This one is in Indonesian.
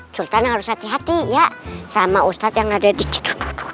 sultan harus hati hati ya sama ustadz yang ada dikit